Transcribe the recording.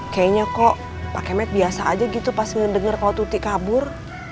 kayanya kok pak kemet biasa aja gitu pas denger kalo tuti kabur